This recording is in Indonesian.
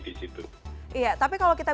di situ iya tapi kalau kita